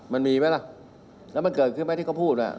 มันมีไหมล่ะแล้วมันเกิดขึ้นไหมที่เขาพูด